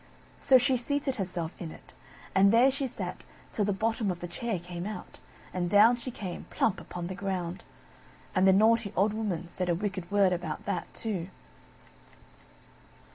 So she seated herself in it, and there she sate till the bottom of the chair came out, and down she came, plump upon the ground. And the naughty old Woman said a wicked word about that too.